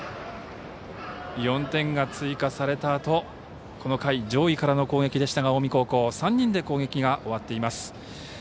４点が追加されたあと、この回上位からの攻撃でしたが近江高校３人で攻撃が終わっています。